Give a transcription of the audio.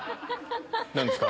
何ですか？